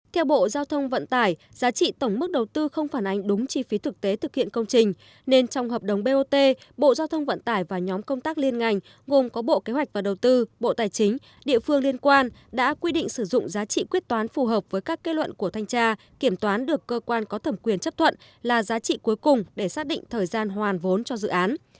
theo bộ giao thông vận tải giá trị tổng mức đầu tư không phản ánh đúng chi phí thực tế thực hiện công trình nên trong hợp đồng bot bộ giao thông vận tải và nhóm công tác liên ngành gồm có bộ kế hoạch và đầu tư bộ tài chính địa phương liên quan đã quy định sử dụng giá trị quyết toán phù hợp với các kế luận của thanh tra kiểm toán được cơ quan có thẩm quyền chấp thuận là giá trị cuối cùng để xác định thời gian hoàn vốn cho dự án